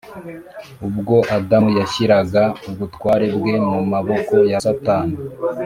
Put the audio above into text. Ubwo Adamu yashyiraga ubutware bwe mu maboko ya Satani